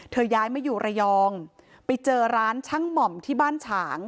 ย้ายมาอยู่ระยองไปเจอร้านช่างหม่อมที่บ้านฉาง